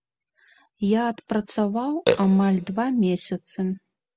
Я адпрацаваў амаль два месяцы.